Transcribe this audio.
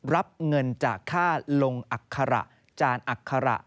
รับเงินจากค่าลงอัคระจานอัคระ